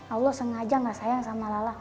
allah sengaja gak sayang sama lala